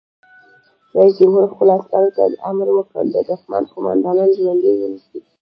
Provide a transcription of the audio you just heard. رئیس جمهور خپلو عسکرو ته امر وکړ؛ د دښمن قومندانان ژوندي ونیسئ!